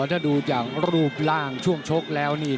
ถ้าดูจากรูปร่างช่วงชกแล้วนี่